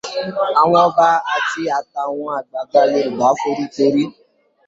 Àwọn Ọba àti àtàwọn àgbàgbà Yorùbá forí korí.